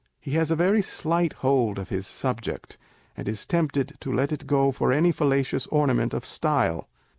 He has a very slight hold of his subject, and is tempted to let it go for any fal lacious ornament of style.